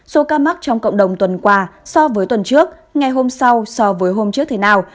số ca mắc trong cộng đồng tuần qua so với tuần trước ngày hôm sau so với hôm trước thế nào